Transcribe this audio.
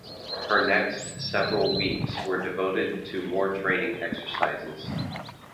Her next several weeks were devoted to more training exercises.